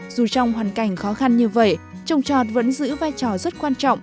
dù trong hoàn cảnh khó khăn như vậy trồng trọt vẫn giữ vai trò rất quan trọng